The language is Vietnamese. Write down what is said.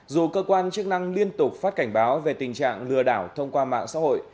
dù cơ quan chức năng liên tục phát cảnh báo về tình trạng lừa đảo thông qua mạng xã hội